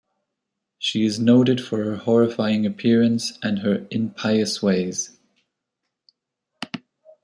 She is noted for her horrifying appearance and her impious ways.